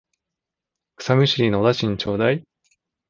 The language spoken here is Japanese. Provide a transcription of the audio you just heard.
草むしりのお駄賃ちょうだい。